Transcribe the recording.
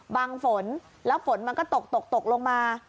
บังฝนแล้วฝนมันก็ตกลงมา